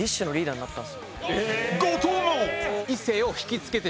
後藤も！